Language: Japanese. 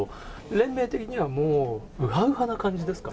連盟的にはもう、うはうはな感じですか？